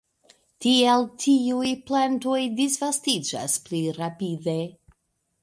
Tiel tiuj plantoj disvastiĝas pli rapide.